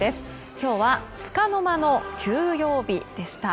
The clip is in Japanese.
今日はつかの間の休養日でした。